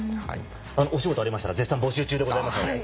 お仕事ありましたら絶賛募集中でございますので。